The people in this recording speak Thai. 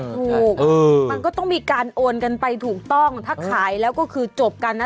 ถูกมันก็ต้องมีการโอนกันไปถูกต้องถ้าขายแล้วก็คือจบกันนะ